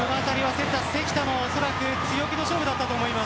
セッター関田はおそらく強気の勝負だったと思います。